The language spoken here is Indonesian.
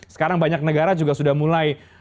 sekarang banyak negara juga sudah mulai